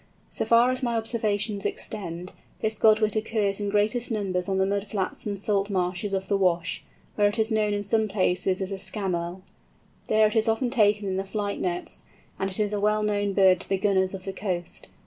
So far as my observations extend, this Godwit occurs in greatest numbers on the mud flats and salt marshes of the Wash, where it is known in some places as the "Scamell." There it is often taken in the flight nets, and it is a well known bird to the gunners of the coast.